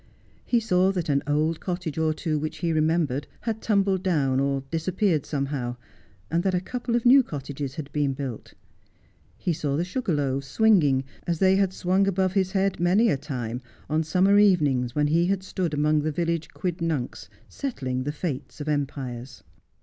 He saw that an old cottage or two which he remembered had tumbled down, or disappeared somehow, and that a couple of new cottages had been built. He saw the sugar loaves swinging as they had swung above his head many a time on summer evenings when he had stood among the village quid nuncs settling the fate of empires.